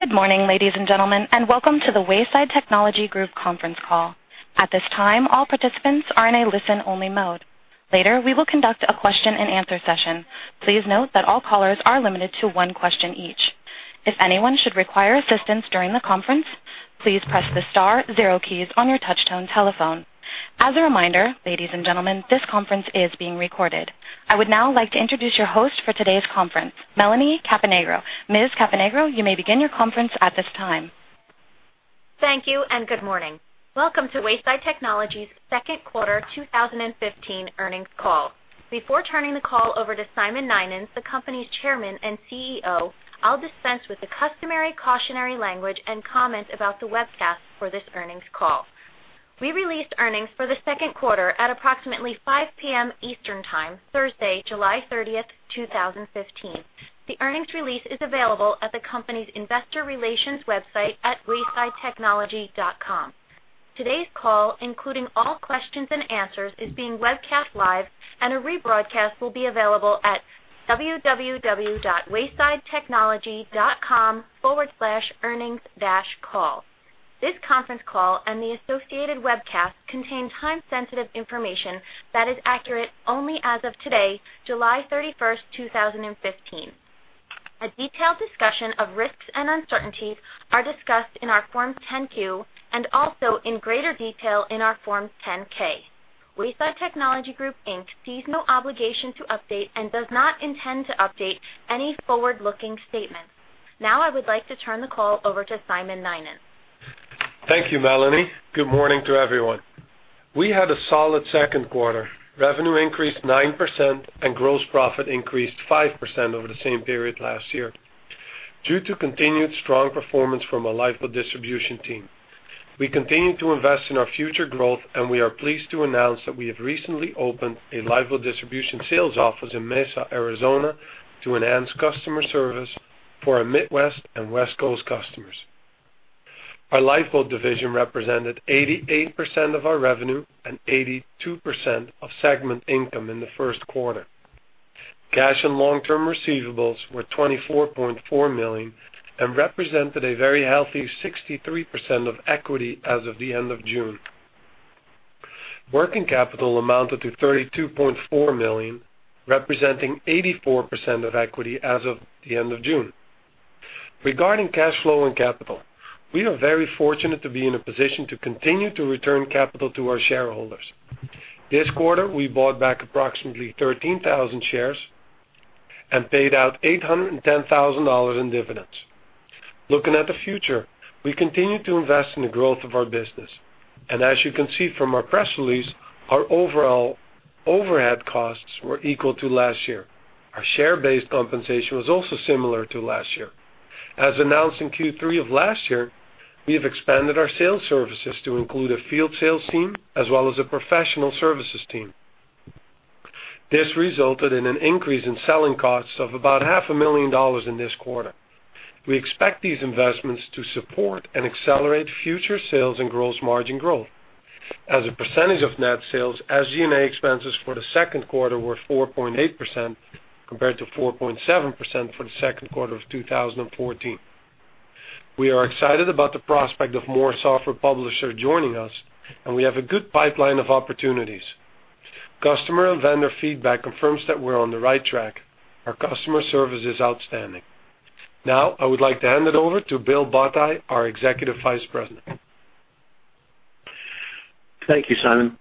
Good morning, ladies and gentlemen, and welcome to the Wayside Technology Group conference call. At this time, all participants are in a listen-only mode. Later, we will conduct a question and answer session. Please note that all callers are limited to one question each. If anyone should require assistance during the conference, please press the star zero keys on your touchtone telephone. As a reminder, ladies and gentlemen, this conference is being recorded. I would now like to introduce your host for today's conference, Melanie Caponigro. Ms. Caponigro, you may begin your conference at this time. Thank you. Good morning. Welcome to Wayside Technology's second quarter 2015 earnings call. Before turning the call over to Simon Nynens, the company's Chairman and Chief Executive Officer, I'll dispense with the customary cautionary language and comment about the webcast for this earnings call. We released earnings for the second quarter at approximately 5:00 P.M. Eastern Time, Thursday, July 30th, 2015. The earnings release is available at the company's investor relations website at waysidetechnology.com. Today's call, including all questions and answers, is being webcast live, and a rebroadcast will be available at www.waysidetechnology.com/earnings-call. This conference call and the associated webcast contain time-sensitive information that is accurate only as of today, July 31st, 2015. A detailed discussion of risks and uncertainties are discussed in our Form 10-Q, and also in greater detail in our Form 10-K. Wayside Technology Group Inc. sees no obligation to update and does not intend to update any forward-looking statements. Now I would like to turn the call over to Simon Nynens. Thank you, Melanie. Good morning to everyone. We had a solid second quarter. Revenue increased 9% and gross profit increased 5% over the same period last year due to continued strong performance from our Lifeboat Distribution team. We continue to invest in our future growth, and we are pleased to announce that we have recently opened a Lifeboat Distribution sales office in Mesa, Arizona, to enhance customer service for our Midwest and West Coast customers. Our Lifeboat division represented 88% of our revenue and 82% of segment income in the first quarter. Cash and long-term receivables were $24.4 million and represented a very healthy 63% of equity as of the end of June. Working capital amounted to $32.4 million, representing 84% of equity as of the end of June. Regarding cash flow and capital, we are very fortunate to be in a position to continue to return capital to our shareholders. This quarter, we bought back approximately 13,000 shares and paid out $810,000 in dividends. Looking at the future, we continue to invest in the growth of our business. As you can see from our press release, our overall overhead costs were equal to last year. Our share-based compensation was also similar to last year. As announced in Q3 of last year, we have expanded our sales services to include a field sales team as well as a professional services team. This resulted in an increase in selling costs of about half a million dollars in this quarter. We expect these investments to support and accelerate future sales and gross margin growth. As a percentage of net sales, SG&A expenses for the second quarter were 4.8% compared to 4.7% for the second quarter of 2014. We are excited about the prospect of more software publishers joining us. We have a good pipeline of opportunities. Customer and vendor feedback confirms that we're on the right track. Our customer service is outstanding. Now, I would like to hand it over to Bill Botta, our Executive Vice President. Thank you, Simon.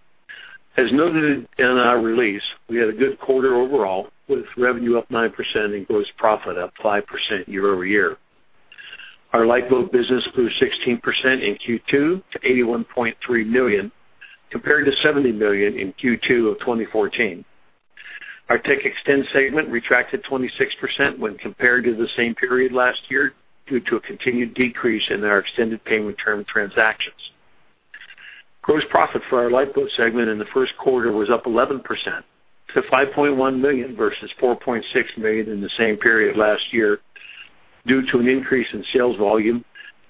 As noted in our release, we had a good quarter overall, with revenue up 9% and gross profit up 5% year-over-year. Our Lifeboat business grew 16% in Q2 to $81.3 million, compared to $70 million in Q2 of 2014. Our TechXtend segment retracted 26% when compared to the same period last year due to a continued decrease in our extended payment term transactions. Gross profit for our Lifeboat segment in the first quarter was up 11% to $5.1 million versus $4.6 million in the same period last year due to an increase in sales volume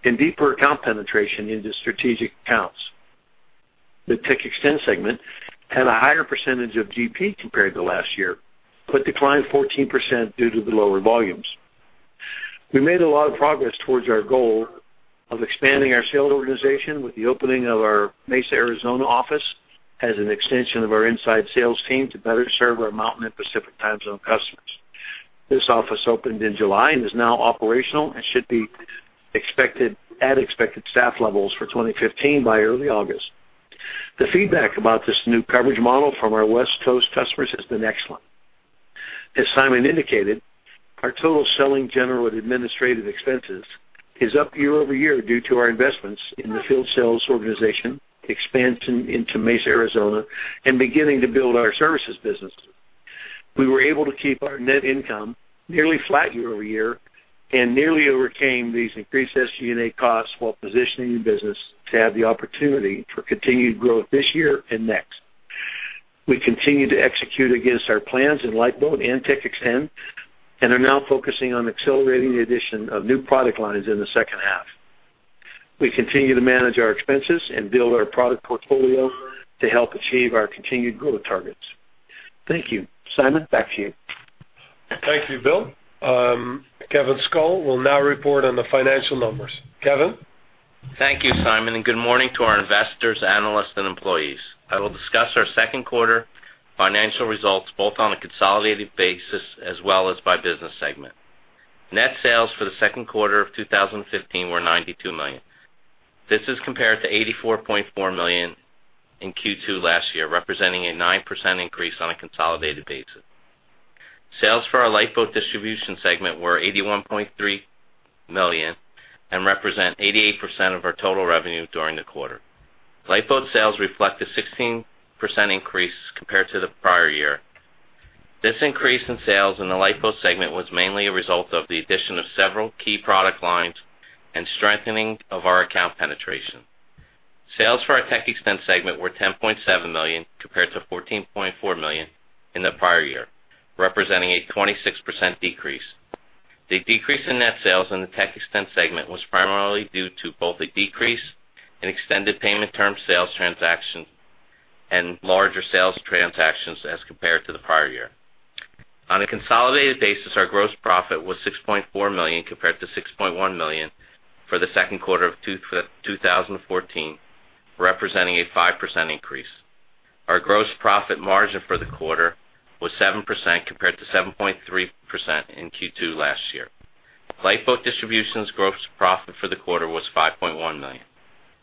and deeper account penetration into strategic accounts. The TechXtend segment had a higher percentage of GP compared to last year, declined 14% due to the lower volumes. We made a lot of progress towards our goal of expanding our sales organization with the opening of our Mesa, Arizona, office as an extension of our inside sales team to better serve our Mountain and Pacific Time Zone customers. This office opened in July and is now operational and should be at expected staff levels for 2015 by early August. The feedback about this new coverage model from our West Coast customers has been excellent. As Simon indicated, our total selling general and administrative expenses is up year-over-year due to our investments in the field sales organization, expansion into Mesa, Arizona, and beginning to build our services business. We were able to keep our net income nearly flat year-over-year and nearly overcame these increased SG&A costs while positioning the business to have the opportunity for continued growth this year and next. We continue to execute against our plans in Lifeboat and TechXtend and are now focusing on accelerating the addition of new product lines in the second half. We continue to manage our expenses and build our product portfolio to help achieve our continued growth targets. Thank you. Simon, back to you. Thank you, Bill. Kevin Scull will now report on the financial numbers. Kevin? Thank you, Simon. Good morning to our investors, analysts, and employees. I will discuss our second quarter financial results both on a consolidated basis as well as by business segment. Net sales for the second quarter of 2015 were $92 million. This is compared to $84.4 million in Q2 last year, representing a 9% increase on a consolidated basis. Sales for our Lifeboat Distribution segment were $81.3 million and represent 88% of our total revenue during the quarter. Lifeboat sales reflect a 16% increase compared to the prior year. This increase in sales in the Lifeboat segment was mainly a result of the addition of several key product lines and strengthening of our account penetration. Sales for our TechXtend segment were $10.7 million, compared to $14.4 million in the prior year, representing a 26% decrease. The decrease in net sales in the TechXtend segment was primarily due to both a decrease in extended payment term sales transactions and larger sales transactions as compared to the prior year. On a consolidated basis, our gross profit was $6.4 million, compared to $6.1 million for the second quarter of 2014, representing a 5% increase. Our gross profit margin for the quarter was 7%, compared to 7.3% in Q2 last year. Lifeboat Distribution's gross profit for the quarter was $5.1 million.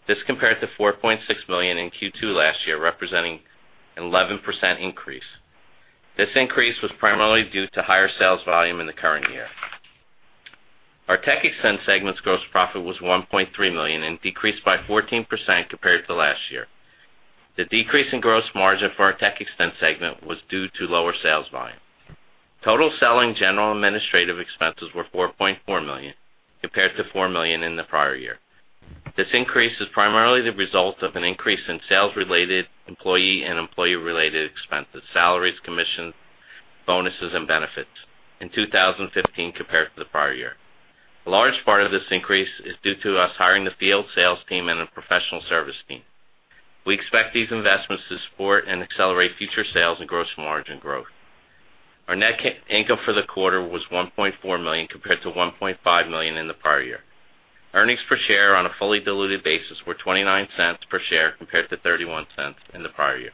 This compared to $4.6 million in Q2 last year, representing an 11% increase. This increase was primarily due to higher sales volume in the current year. Our TechXtend segment's gross profit was $1.3 million and decreased by 14% compared to last year. The decrease in gross margin for our TechXtend segment was due to lower sales volume. Total selling general administrative expenses were $4.4 million, compared to $4 million in the prior year. This increase is primarily the result of an increase in sales-related employee and employee-related expenses, salaries, commissions, bonuses, and benefits in 2015 compared to the prior year. A large part of this increase is due to us hiring the field sales team and a professional service team. We expect these investments to support and accelerate future sales and gross margin growth. Our net income for the quarter was $1.4 million, compared to $1.5 million in the prior year. Earnings per share on a fully diluted basis were $0.29 per share compared to $0.31 in the prior year.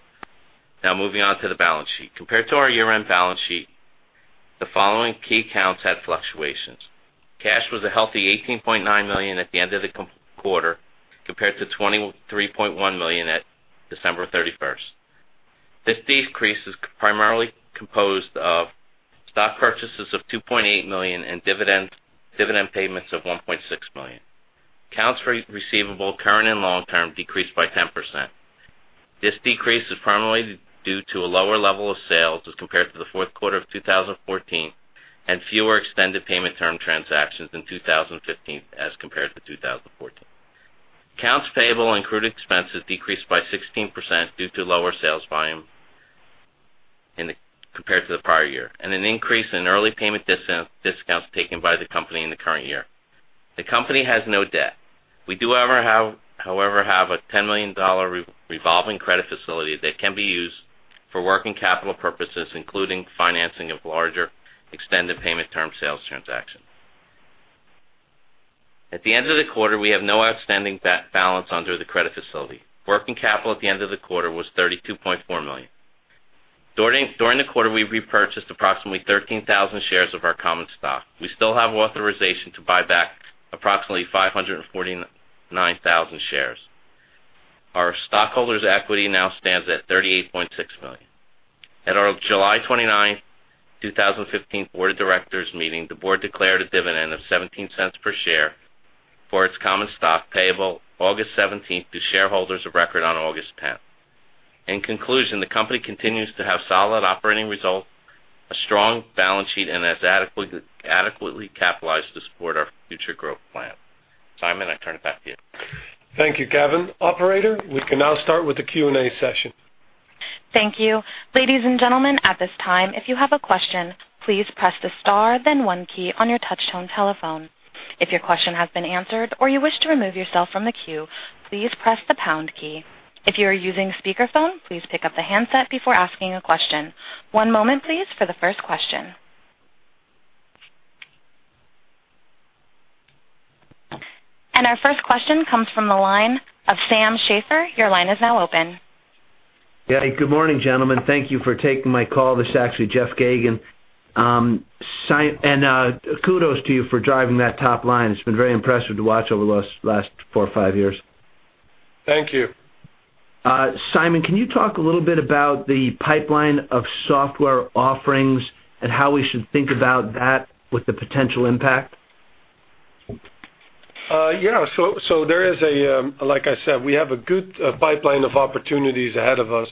Moving on to the balance sheet. Compared to our year-end balance sheet, the following key accounts had fluctuations. Cash was a healthy $18.9 million at the end of the quarter, compared to $23.1 million at December 31st. This decrease is primarily composed of stock purchases of $2.8 million and dividend payments of $1.6 million. Accounts receivable, current and long-term, decreased by 10%. This decrease is primarily due to a lower level of sales as compared to the fourth quarter of 2014 and fewer extended payment term transactions in 2015 as compared to 2014. Accounts payable and accrued expenses decreased by 16% due to lower sales volume compared to the prior year, and an increase in early payment discounts taken by the company in the current year. The company has no debt. We do, however, have a $10 million revolving credit facility that can be used for working capital purposes, including financing of larger extended payment term sales transactions. At the end of the quarter, we have no outstanding balance under the credit facility. Working capital at the end of the quarter was $32.4 million. During the quarter, we repurchased approximately 13,000 shares of our common stock. We still have authorization to buy back approximately 549,000 shares. Our stockholders' equity now stands at $38.6 million. At our July 29th, 2015 board of directors meeting, the board declared a dividend of $0.17 per share for its common stock, payable August 17th to shareholders of record on August 10th. In conclusion, the company continues to have solid operating results, a strong balance sheet, and is adequately capitalized to support our future growth plan. Simon, I turn it back to you. Thank you, Kevin. Operator, we can now start with the Q&A session. Thank you. Ladies and gentlemen, at this time, if you have a question, please press the star then 1 key on your touch tone telephone. If your question has been answered or you wish to remove yourself from the queue, please press the pound key. If you are using speakerphone, please pick up the handset before asking a question. One moment, please, for the first question. Our first question comes from the line of Sam Shafer. Your line is now open. Yeah. Good morning, gentlemen. Thank you for taking my call. This is actually Jeff Gagan. Kudos to you for driving that top line. It's been very impressive to watch over the last four or five years. Thank you. Simon, can you talk a little bit about the pipeline of software offerings and how we should think about that with the potential impact? Yeah. Like I said, we have a good pipeline of opportunities ahead of us.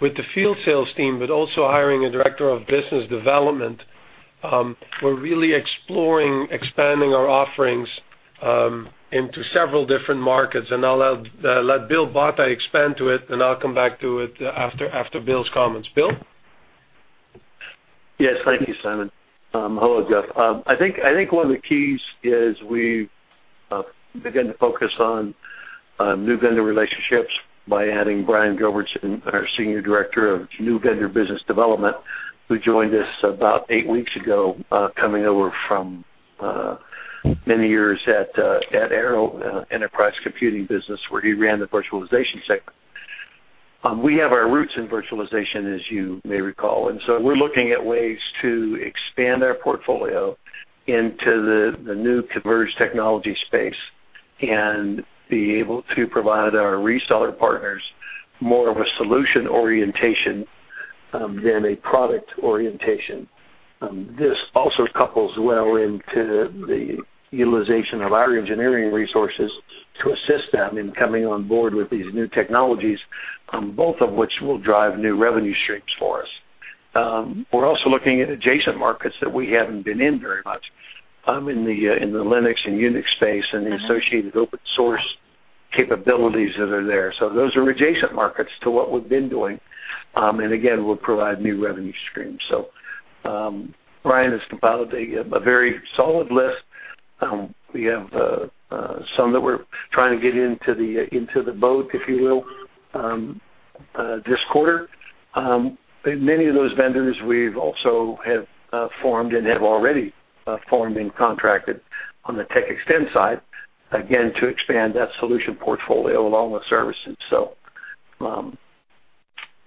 With the field sales team, but also hiring a Director of Business Development, we're really exploring expanding our offerings into several different markets. And I'll let Bill Botta expand to it, then I'll come back to it after Bill's comments. Bill? Yes. Thank you, Simon. Hello, Jeff. I think one of the keys is we've begun to focus on new vendor relationships by adding Brian Gilbertson, our Senior Director of New Vendor Business Development, who joined us about eight weeks ago, coming over from many years at Arrow Enterprise Computing Solutions, where he ran the virtualization segment. We have our roots in virtualization, as you may recall, and so we're looking at ways to expand our portfolio into the new converged technology space and be able to provide our reseller partners more of a solution orientation than a product orientation. This also couples well into the utilization of our engineering resources to assist them in coming on board with these new technologies, both of which will drive new revenue streams for us. We're also looking at adjacent markets that we haven't been in very much, in the Linux and Unix space and the associated open source capabilities that are there. Those are adjacent markets to what we've been doing, and again, will provide new revenue streams. Brian has compiled a very solid list. We have some that we're trying to get into the boat, if you will, this quarter. But many of those vendors, we've also already formed and contracted on the TechXtend side, again, to expand that solution portfolio along with services.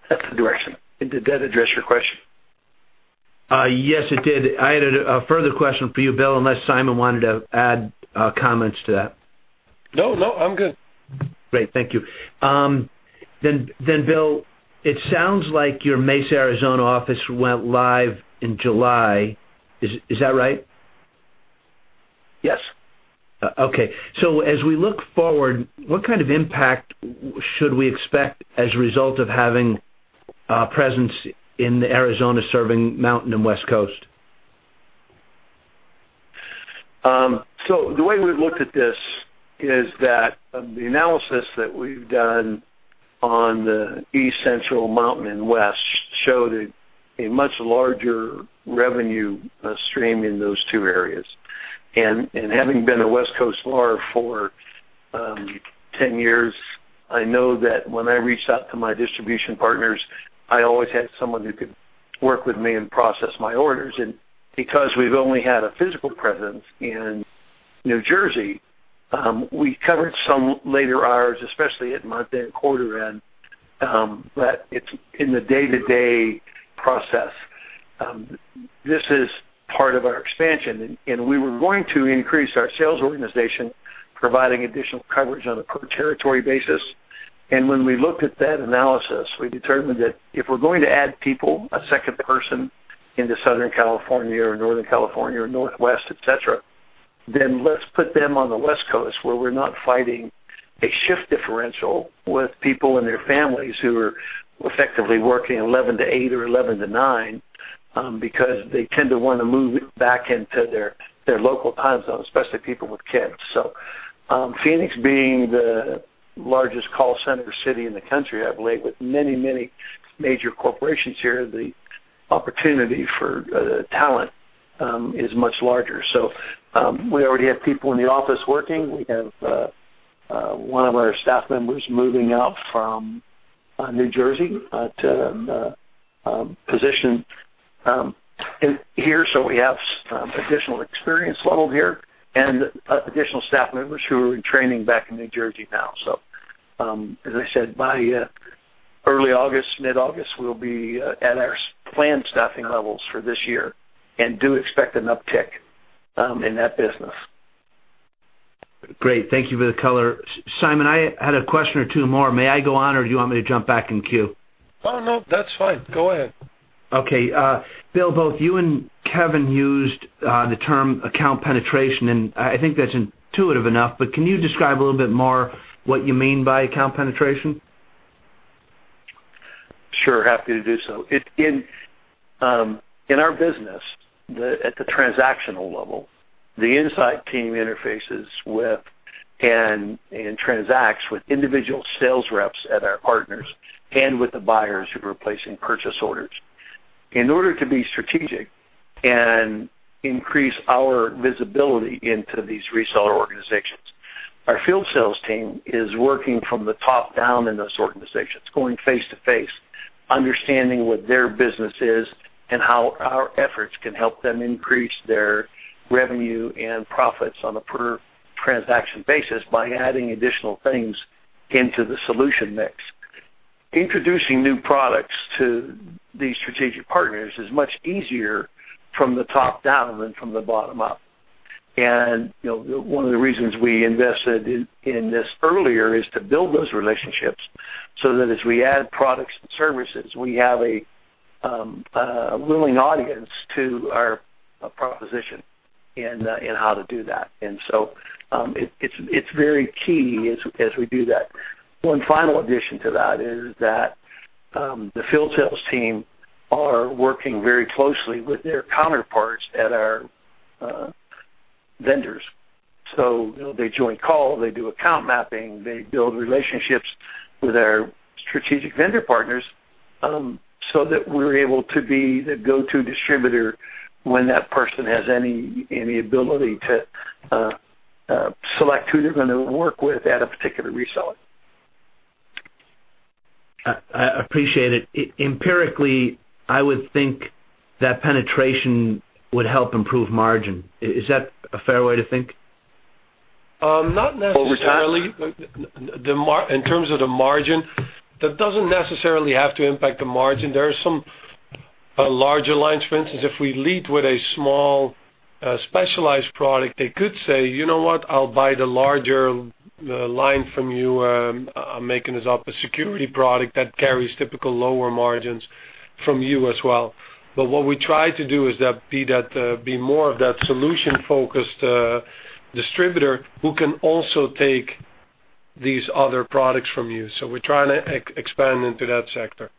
That's the direction. Did that address your question? Yes, it did. I had a further question for you, Bill, unless Simon wanted to add comments to that. No, I'm good. Great. Thank you. Bill, it sounds like your Mesa, Arizona office went live in July. Is that right? Yes. As we look forward, what kind of impact should we expect as a result of having a presence in Arizona serving Mountain and West Coast? The way we've looked at this is that the analysis that we've done on the East Central, Mountain, and West showed a much larger revenue stream in those two areas. Having been a West Coast LAR for 10 years, I know that when I reached out to my distribution partners, I always had someone who could work with me and process my orders. Because we've only had a physical presence in New Jersey, we covered some later hours, especially at month-end, quarter-end, but it's in the day-to-day process. This is part of our expansion, and we were going to increase our sales organization, providing additional coverage on a per territory basis. When we looked at that analysis, we determined that if we're going to add people, a second person into Southern California or Northern California or Northwest, et cetera, then let's put them on the West Coast, where we're not fighting a shift differential with people and their families who are effectively working eleven to eight or eleven to nine, because they tend to want to move back into their local time zone, especially people with kids. Phoenix being the largest call center city in the country, I believe, with many, many major corporations here, the opportunity for talent is much larger. We already have people in the office working. We have one of our staff members moving out from New Jersey to position here. We have some additional experience level here and additional staff members who are in training back in New Jersey now. As I said, by early August, mid-August, we'll be at our planned staffing levels for this year and do expect an uptick in that business. Great. Thank you for the color. Simon, I had a question or two more. May I go on, or do you want me to jump back in queue? No, that's fine. Go ahead. Okay. Bill, both you and Kevin used the term account penetration, I think that's intuitive enough, can you describe a little bit more what you mean by account penetration? Sure. Happy to do so. In our business, at the transactional level, the inside team interfaces with and transacts with individual sales reps at our partners and with the buyers who are placing purchase orders. In order to be strategic and increase our visibility into these reseller organizations, our field sales team is working from the top down in those organizations, going face-to-face, understanding what their business is and how our efforts can help them increase their revenue and profits on a per transaction basis by adding additional things into the solution mix. Introducing new products to these strategic partners is much easier from the top down than from the bottom up. One of the reasons we invested in this earlier is to build those relationships so that as we add products and services, we have a willing audience to our proposition in how to do that. It's very key as we do that. One final addition to that is that the field sales team are working very closely with their counterparts at our vendors. They join call, they do account mapping, they build relationships with our strategic vendor partners, that we're able to be the go-to distributor when that person has any ability to select who they're going to work with at a particular reseller. I appreciate it. Empirically, I would think that penetration would help improve margin. Is that a fair way to think? Not necessarily. Over time? In terms of the margin, that doesn't necessarily have to impact the margin. There are some larger lines. For instance, if we lead with a small, specialized product, they could say, "You know what? I'll buy the larger line from you," I'm making this up, "a security product that carries typical lower margins from you as well." What we try to do is be more of that solution-focused distributor who can also take these other products from you. We're trying to expand into that sector.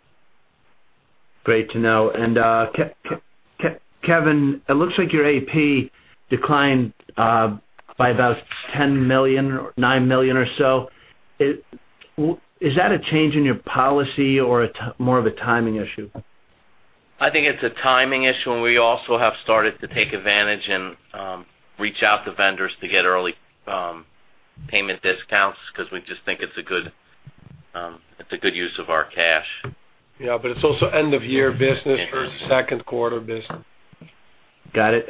Great to know. Kevin, it looks like your AP declined by about $10 million or $9 million or so. Is that a change in your policy or more of a timing issue? I think it's a timing issue, and we also have started to take advantage and reach out to vendors to get early payment discounts because we just think it's a good use of our cash. Yeah. It's also end-of-year business versus second quarter business. Got it.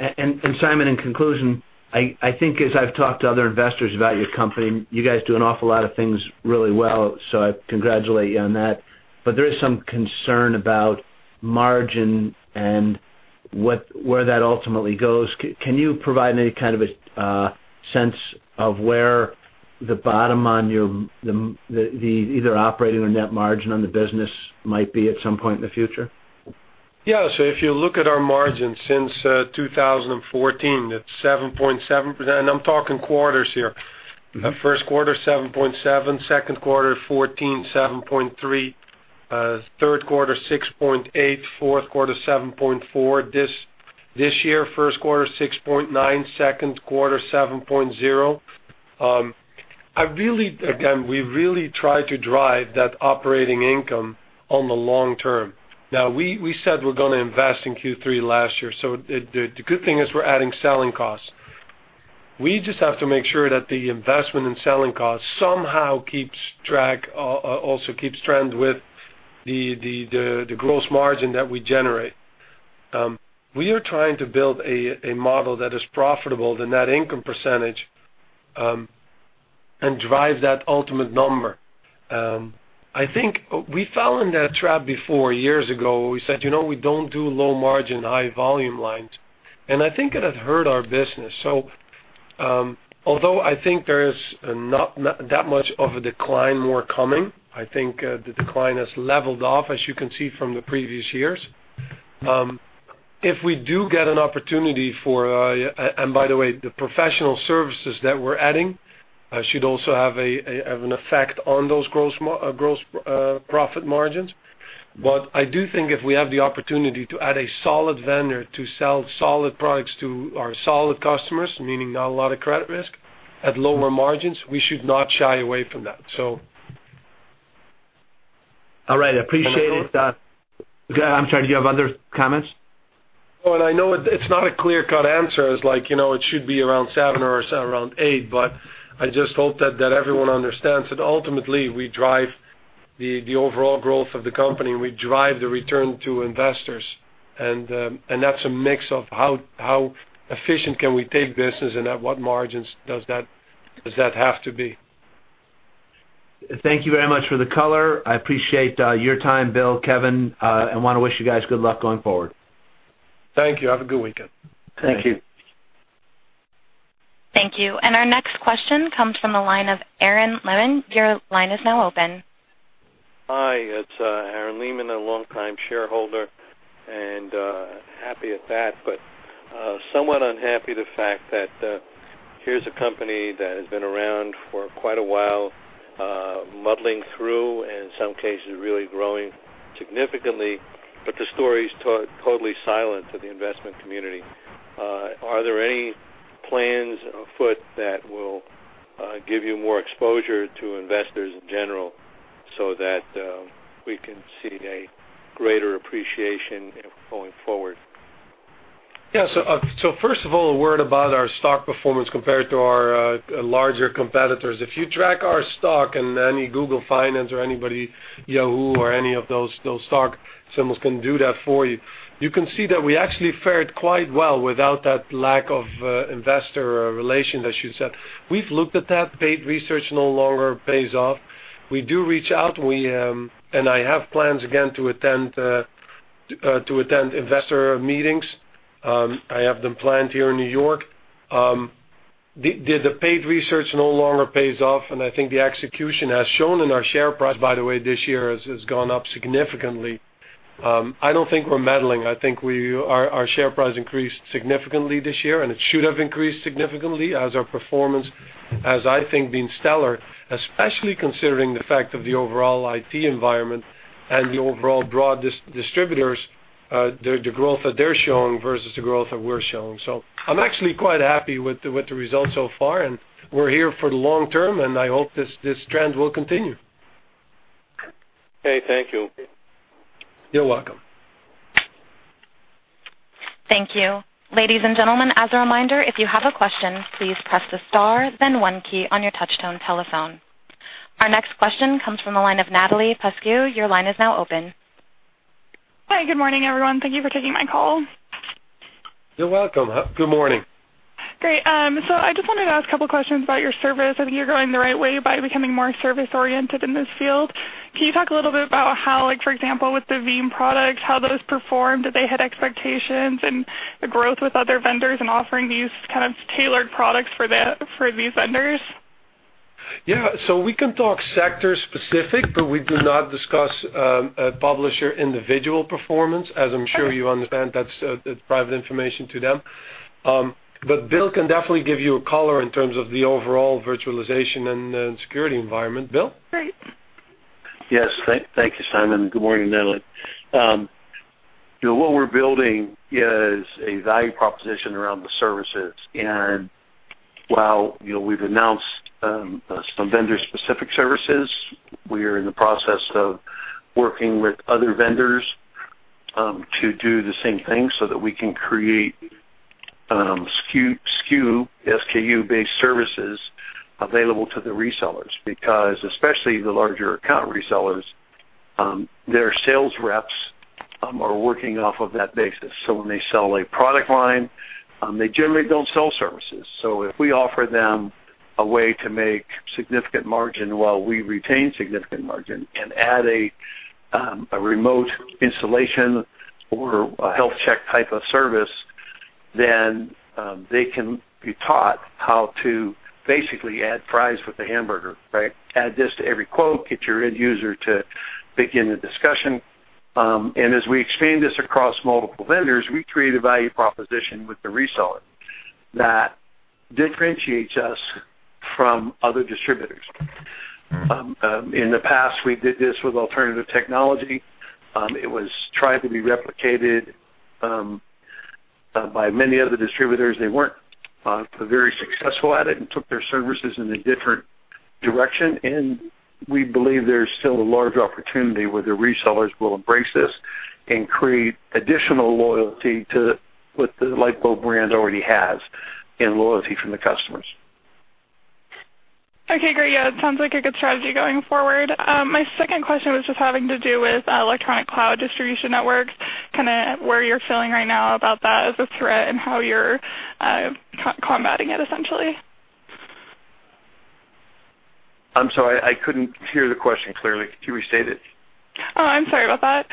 Simon, in conclusion, I think as I've talked to other investors about your company, you guys do an awful lot of things really well, so I congratulate you on that. There is some concern about margin and where that ultimately goes. Can you provide any kind of a sense of where the bottom on either operating or net margin on the business might be at some point in the future? Yeah. If you look at our margins since 2014, that 7.7%, and I'm talking quarters here. First quarter, 7.7%. Second quarter 2014, 7.3%. Third quarter, 6.8%. Fourth quarter, 7.4%. This year, first quarter, 6.9%. Second quarter, 7.0%. We really try to drive that operating income on the long term. We said we're going to invest in Q3 last year. The good thing is we're adding selling costs. We just have to make sure that the investment in selling costs somehow also keeps trend with the gross margin that we generate. We are trying to build a model that is profitable, the net income percentage, and drive that ultimate number. I think we fell in that trap before, years ago. We said, we don't do low margin, high volume lines. I think it had hurt our business. Although I think there is not that much of a decline more coming, I think the decline has leveled off, as you can see from the previous years. By the way, the professional services that we're adding should also have an effect on those gross profit margins. I do think if we have the opportunity to add a solid vendor to sell solid products to our solid customers, meaning not a lot of credit risk, at lower margins, we should not shy away from that. All right. I appreciate it. I thought. I'm sorry. Do you have other comments? I know it's not a clear-cut answer as like, it should be around seven or around eight, but I just hope that everyone understands that ultimately, we drive the overall growth of the company, and we drive the return to investors. That's a mix of how efficient can we take business and at what margins does that have to be. Thank you very much for the color. I appreciate your time, Bill, Kevin, I want to wish you guys good luck going forward. Thank you. Have a good weekend. Thank you. Thank you. Our next question comes from the line of Aaron Lehmann. Your line is now open. Hi, it's Aaron Lehmann, a longtime shareholder, and happy at that. Somewhat unhappy the fact that, here's a company that has been around for quite a while, muddling through and in some cases really growing significantly, but the story's totally silent to the investment community. Are there any plans afoot that will give you more exposure to investors in general so that we can see a greater appreciation going forward? First of all, a word about our stock performance compared to our larger competitors. If you track our stock in any Google Finance or anybody, Yahoo or any of those stock symbols can do that for you. You can see that we actually fared quite well without that lack of investor relations, as you said. We've looked at that. Paid research no longer pays off. We do reach out. I have plans again to attend investor meetings. I have them planned here in New York. The paid research no longer pays off, and I think the execution has shown in our share price, by the way, this year has gone up significantly. I don't think we're muddling. I think our share price increased significantly this year. It should have increased significantly as our performance as I think being stellar, especially considering the fact of the overall IT environment and the overall broad distributors. The growth that they're showing versus the growth that we're showing. I'm actually quite happy with the results so far. We're here for the long term. I hope this trend will continue. Okay, thank you. You're welcome. Thank you. Ladies and gentlemen, as a reminder, if you have a question, please press the star then 1 key on your touch tone telephone. Our next question comes from the line of Natalie Pescu. Your line is now open. Hi. Good morning, everyone. Thank you for taking my call. You're welcome. Good morning. Great. I just wanted to ask a couple questions about your service. I think you're going the right way by becoming more service-oriented in this field. Can you talk a little bit about how, like for example, with the Veeam products, how those performed? Did they hit expectations and the growth with other vendors and offering these kind of tailored products for these vendors? Yeah. We can talk sector-specific, but we do not discuss publisher individual performance. As I'm sure you understand, that's private information to them. Bill can definitely give you a color in terms of the overall virtualization and security environment. Bill? Great. Yes. Thank you, Simon. Good morning, Natalie. What we're building is a value proposition around the services. While we've announced some vendor-specific services, we are in the process of working with other vendors to do the same thing so that we can create SKU-based services available to the resellers. Because especially the larger account resellers, their sales reps are working off of that basis. When they sell a product line, they generally don't sell services. If we offer them a way to make significant margin while we retain significant margin and add a remote installation or a health check type of service, they can be taught how to basically add fries with the hamburger, right? Add this to every quote, get your end user to begin the discussion. As we expand this across multiple vendors, we create a value proposition with the reseller that differentiates us from other distributors. In the past, we did this with Alternative Technology. It was tried to be replicated by many other distributors. They weren't very successful at it and took their services in a different direction. We believe there's still a large opportunity where the resellers will embrace this and create additional loyalty to what the Lifeboat brand already has and loyalty from the customers. Okay, great. It sounds like a good strategy going forward. My second question was just having to do with electronic cloud distribution networks, kind of where you're feeling right now about that as a threat and how you're combating it essentially. I'm sorry. I couldn't hear the question clearly. Could you restate it? Oh, I'm sorry about that.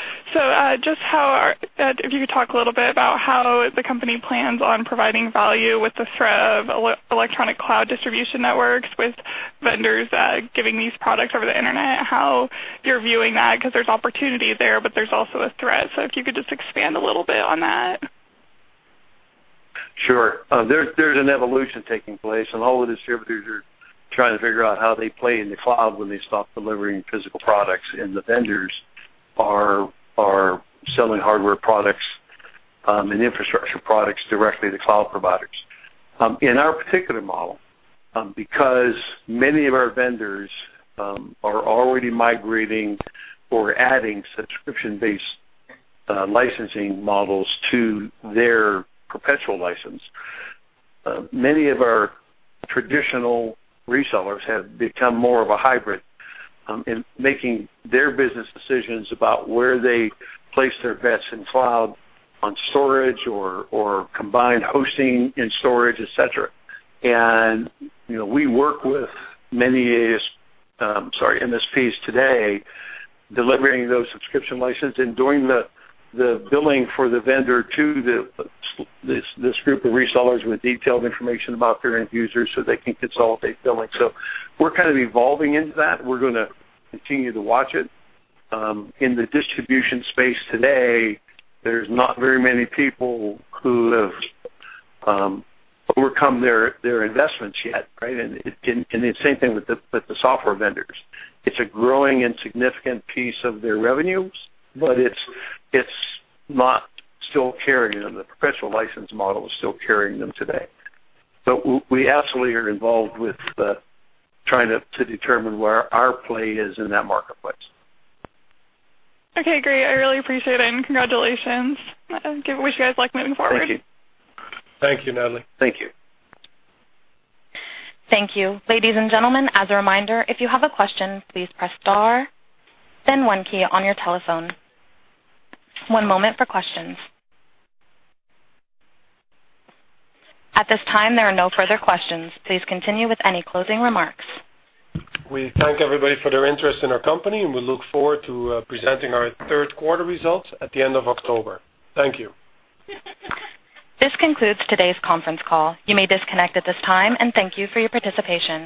If you could talk a little bit about how the company plans on providing value with the threat of electronic cloud distribution networks with vendors giving these products over the internet, how you're viewing that, because there's opportunity there, but there's also a threat. If you could just expand a little bit on that. Sure. There's an evolution taking place, and all the distributors are trying to figure out how they play in the cloud when they stop delivering physical products, and the vendors are selling hardware products and infrastructure products directly to cloud providers. In our particular model, because many of our vendors are already migrating or adding subscription-based licensing models to their perpetual license, many of our traditional resellers have become more of a hybrid in making their business decisions about where they place their bets in cloud on storage or combined hosting and storage, et cetera. We work with many MSPs today delivering those subscription license and doing the billing for the vendor to this group of resellers with detailed information about their end users so they can consolidate billing. We're kind of evolving into that. We're gonna continue to watch it. In the distribution space today, there's not very many people who have overcome their investments yet, right? The same thing with the software vendors. It's a growing and significant piece of their revenues, but it's not still carrying them. The perpetual license model is still carrying them today. We absolutely are involved with trying to determine where our play is in that marketplace. Okay, great. I really appreciate it, and congratulations. I wish you guys luck moving forward. Thank you. Thank you, Natalie. Thank you. Thank you. Ladies and gentlemen, as a reminder, if you have a question, please press star then 1 key on your telephone. One moment for questions. At this time, there are no further questions. Please continue with any closing remarks. We thank everybody for their interest in our company, and we look forward to presenting our third quarter results at the end of October. Thank you. This concludes today's conference call. You may disconnect at this time, and thank you for your participation.